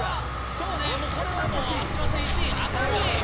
そうねもうこれは合ってますね１位明るい。